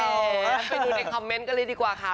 เอาไปดูในคอมเมนต์กันเลยดีกว่าค่ะ